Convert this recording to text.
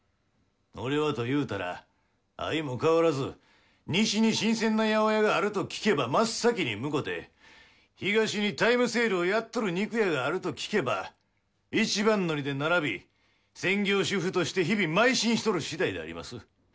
俺はというたら相も変わらず西に新鮮な八百屋があると聞けば真っ先に向こて東にタイムセールをやっとる肉屋があると聞けば一番乗りで並び専業主夫として日々邁進しとる次第であります。